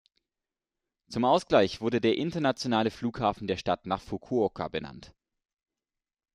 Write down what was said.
Zum Ausgleich wurde der internationale Flughafen der Stadt nach Fukuoka benannt.